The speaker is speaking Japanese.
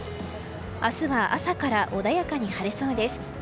明日は朝から穏やかに晴れそうです。